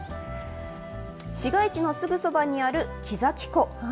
市街地のすぐそばにある木崎湖。